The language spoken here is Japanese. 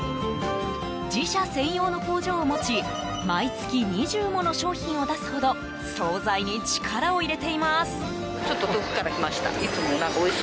自社専用の工場を持ち毎月２０もの商品を出すほど惣菜に力を入れています。